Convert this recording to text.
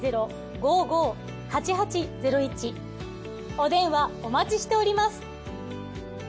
お電話お待ちしております。